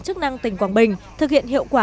chức năng tỉnh quảng bình thực hiện hiệu quả